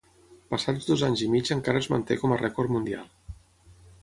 Passats dos anys i mig encara es manté com a rècord mundial.